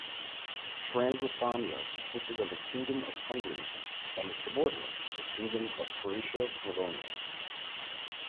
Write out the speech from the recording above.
Transleithania consisted of the Kingdom of Hungary and its subordinate, the Kingdom of Croatia-Slavonia.